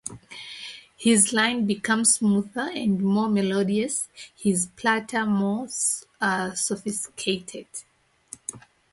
His lines became smoother and more melodious, his palette more sophisticated.